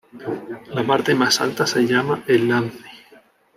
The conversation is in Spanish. La parte más alta se llama El Lance.